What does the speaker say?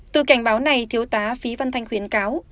từ cảnh báo này thiếu tá phí văn thanh khuyến cáo